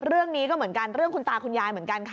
เรื่องนี้ก็เหมือนกันเรื่องคุณตาคุณยายเหมือนกันค่ะ